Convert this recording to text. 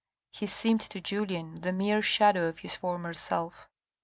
He seemed to Julien the mere shadow of his former self.